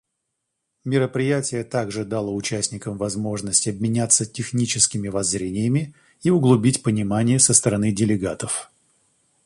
Мероприятие также дало участникам возможность обменяться техническими воззрениями и углубить понимание со стороны делегатов.